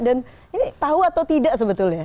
dan ini tahu atau tidak sebetulnya